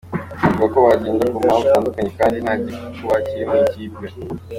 Navuga ko bagenda ku mpamvu zitandukanye kandi nta gikuba kiri mu ikipe.